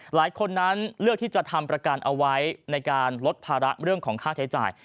หลายคนนั้นเลือกที่จะทำประกันเอาไว้ในการลดภาระเรื่องของค่าใช้จ่าย